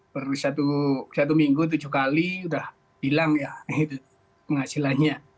per satu minggu tujuh kali udah hilang ya penghasilannya